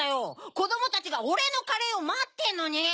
こどもたちがオレのカレーをまってんのに。